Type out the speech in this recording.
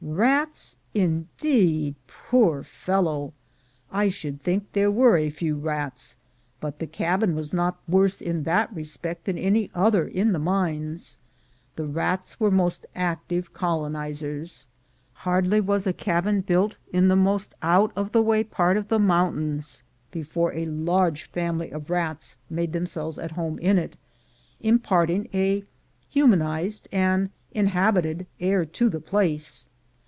Rats, indeed! poor fellow! I should think there were a few rats, but the cabin was not worse in that respect than any other in the mines. The rats were most active colonizers. Hardly was a cabin built in the most out of the way part of the mountains, before a large family of rats made themselves at home in it, imparting a humanized and inhabited air to the place.